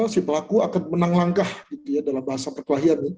si pelaku akan menang langkah itu adalah bahasa kekelahian